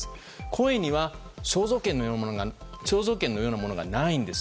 声には肖像権のようなものがないんです。